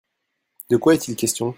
De quoi est-il question ?